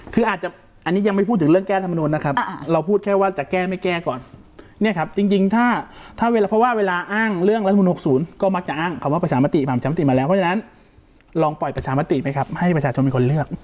คืออาจจะอันนี้ยังไม่พูดถึงเรื่องแก้ธรรมนุนนะครับเราพูดแค่ว่าจะแก้ไม่แก้ก่อนเนี่ยครับจริงถ้าถ้าเวลาเพราะว่าเวลาอ้างเรื่องรัฐมนุน๖๐ก็มักจะอ้างคำว่าประชามติผ่านประชามติมาแล้วเพราะฉะนั้นลองปล่อยประชามติไหมครับให้ประชาชนเป็นคนเลือก